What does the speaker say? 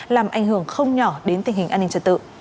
làm ảnh hưởng không nhỏ đến tình hình an ninh trật tự